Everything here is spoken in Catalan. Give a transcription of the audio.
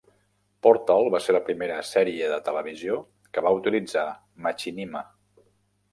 "Portal" va ser la primera sèrie de televisió que va utilitzar machinima.